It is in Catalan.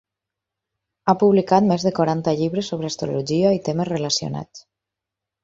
Ha publicat més de quaranta llibres sobre astrologia i temes relacionats.